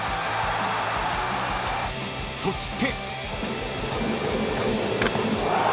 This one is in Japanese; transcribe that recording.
［そして］